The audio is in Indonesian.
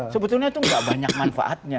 sebetulnya itu nggak banyak manfaatnya